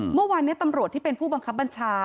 เมื่อวานนี้ตำรวจที่เป็นผู้บังคับบัญชา